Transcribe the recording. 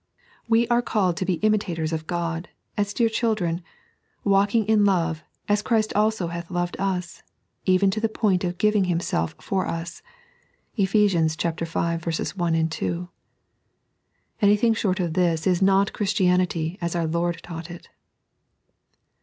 We are called to be imitatore of God, as dear children, walking in love, as Christ also hath loved us, even to the point of giving Himself for us (Kph. v, 1, 2), Anything short of this is not Christianity as oiu' Lord taught it.